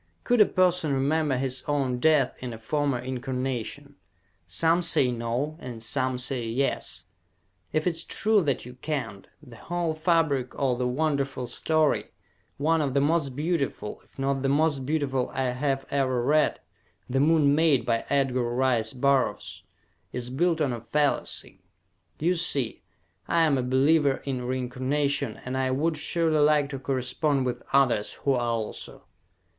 Could a person remember his own death in a former incarnation? Some say "no," and some say "yes." If it is true that you can't, the whole fabric of the wonderful story, one of the most beautiful, if not the most beautiful I have ever read, "The Moon Maid," by Edgar Rice Burroughs, is built on a fallacy. You see, I am a believer in reincarnation and I would surely like to correspond with others who are also!